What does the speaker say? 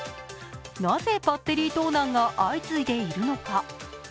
なぜバッテリー盗難が相次いでいるのか。